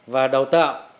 và đào tạo